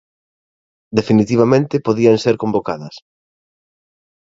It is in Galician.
Definitivamente, podían ser convocadas.